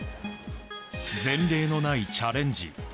前例のないチャレンジ。